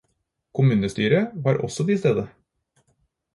Kommunestyret var også til stede.